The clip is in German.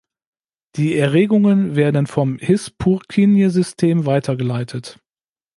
Die Erregungen werden vom His-Purkinje-System weitergeleitet.